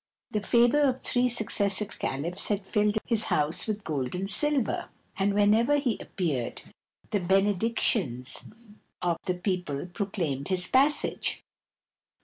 The favour of three ^^ccessive califs had filled his house with gold and silver ; ^d whenever he appeared, the benedictions of the people Proclaimed his passage.